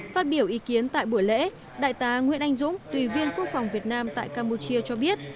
phát biểu ý kiến tại buổi lễ đại tá nguyễn anh dũng tùy viên quốc phòng việt nam tại campuchia cho biết